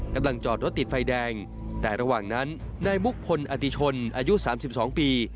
กำลังจอดรถติดไฟแดงแต่ระหว่างนั้นนายมุกพลอติชนอายุ๓๒ปี